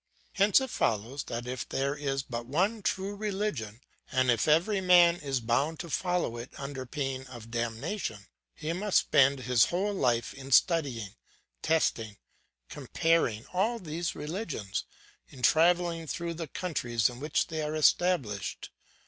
Hence it follows that if there is but one true religion and if every man is bound to follow it under pain of damnation, he must spend his whole life in studying, testing, comparing all these religions, in travelling through the countries in which they are established.